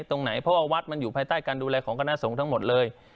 ตรงไหนเพราะว่าวัดมันอยู่ภายใต้การดูแลของคณะสงฆ์ทั้งหมดเลย